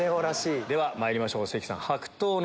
ではまいりましょう関さん。